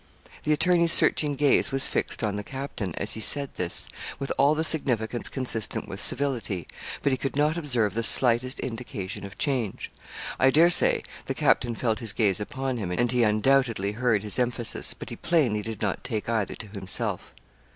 The attorney's searching gaze was fixed on the captain, as he said this, with all the significance consistent with civility; but he could not observe the slightest indication of change. I dare say the captain felt his gaze upon him, and he undoubtedly heard his emphasis, but he plainly did not take either to himself.